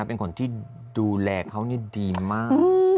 เป็นคนที่ดูแลเขาดีมาก